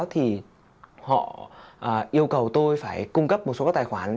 thì họ yêu cầu tôi phải cung cấp một số các tài khoản